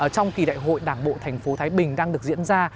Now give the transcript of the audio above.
trong kỳ đại hội đảng bộ thành phố thái bình đang được diễn ra